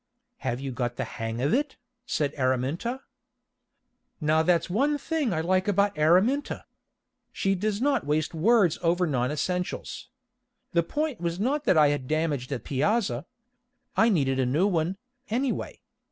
"Have you got the hang of it?" said Araminta. Now that's one thing I like about Araminta. She does not waste words over non essentials. The point was not that I had damaged the piazza. I needed a new one, anyway.